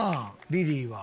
リリーは？